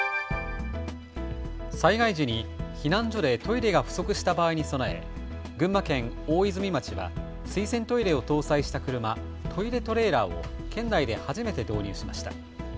災害時に避難所でトイレが不足した場合に備え群馬県大泉町は水洗トイレを搭載した車、トイレトレーラーを県内で初めて導入しました。